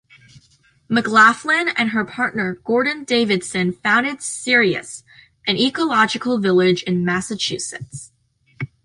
McLaughlin and her partner Gordon Davidson founded Sirius, an ecological village in Massachusetts.